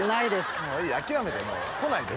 諦めてもう来ないで。